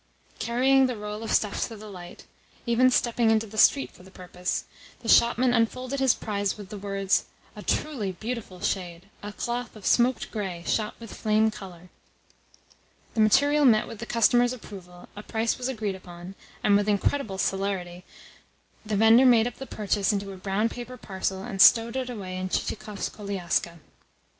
Carrying the roll of stuff to the light even stepping into the street for the purpose the shopman unfolded his prize with the words, "A truly beautiful shade! A cloth of smoked grey, shot with flame colour!" The material met with the customer's approval, a price was agreed upon, and with incredible celerity the vendor made up the purchase into a brown paper parcel, and stowed it away in Chichikov's koliaska.